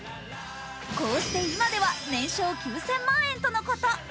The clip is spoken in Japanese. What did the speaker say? こうして今では年商９０００万円とのこと。